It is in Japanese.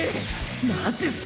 マジっすか！！